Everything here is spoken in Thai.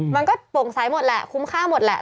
มันก็โปร่งใสหมดแหละคุ้มค่าหมดแหละ